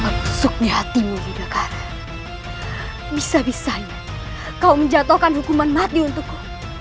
memusuk di hatimu yudhakara bisa bisanya kau menjatuhkan hukuman mati untukku